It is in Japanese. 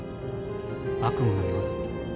悪夢のようだった。